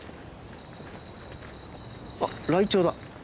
あっライチョウだ！